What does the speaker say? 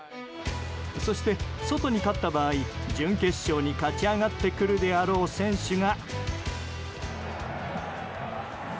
そして、ソトに勝った場合準決勝に勝ち上がってくるであろう選手が。